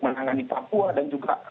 menangani papua dan juga